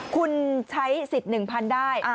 คุณใช้สิทธิ์๑๐๐๐ได้